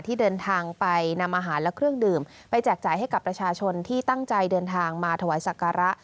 ที่เดินทางไปนำอาหารและเครื่องดื่มไปแจกจ่ายให้กับประชาชนที่ตั้งใจเดินทางมาถวายสักการะ